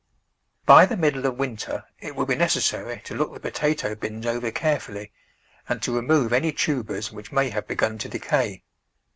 By the middle of winter it will be necessary to look the potato bins over carefully and to remove any tubers which may have begun to decay.